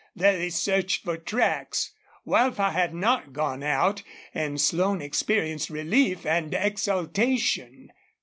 There he searched for tracks. Wildfire had not gone out, and Slone experienced relief and exultation.